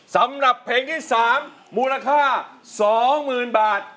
สำหรับเพลงที่๓มูลค่า๒๐๐๐๐บาท